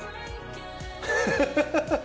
ハハハハッ！